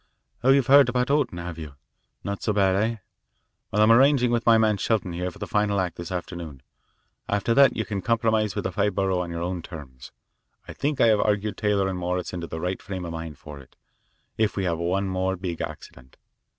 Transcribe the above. Oh, you've heard about Orton, have you? Not so bad, eh? Well, I'm arranging with my man Shelton here for the final act this afternoon. After that you can compromise with the Five Borough on your own terms. I think I have argued Taylor and Morris into the right frame of mind for it, if we have one more big accident.